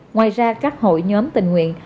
ngoài ra các hội nhóm tình nguyện